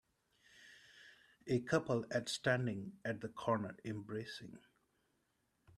A couple at standing at the corner embracing.